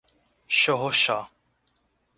Chorrochó